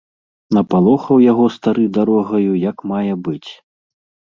Напалохаў яго стары дарогаю як мае быць.